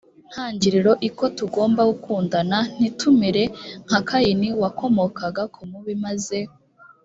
ntangiriro i ko tugomba gukundana ntitumere nka kayini wakomokaga ku mubi maze